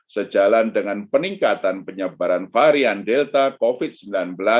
sejalan dengan peningkatan penyebaran varian delta covid sembilan belas